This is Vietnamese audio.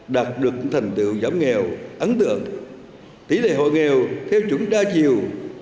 đạt được thành tựu giảm nghèo ấn tượng tỷ lệ hội nghèo theo chuẩn đa chiều